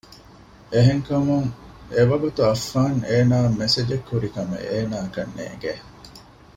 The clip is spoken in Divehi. އެހެންކަމުން އެ ވަގުތު އައްފާން އޭނާއަށް މެސެޖެއް ކުރިކަމެއް އޭނާއަކަށް ނޭނގެ